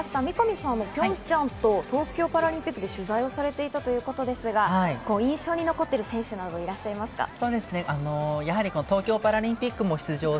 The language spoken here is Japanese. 三上さんはピョンチャンと東京パラリンピックで取材されていたということですが、印象に残っている選手などいらっしゃいますか？